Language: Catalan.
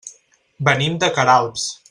Venim de Queralbs.